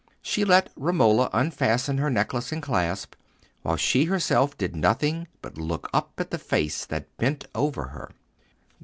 She let Romola unfasten her necklace and clasp, while she herself did nothing but look up at the face that bent over her.